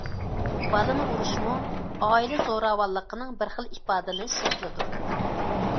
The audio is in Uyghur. بالىنى ئۇرۇشمۇ ئائىلە زوراۋانلىقىنىڭ بىر خىل ئىپادىلىنىش شەكلىدۇر.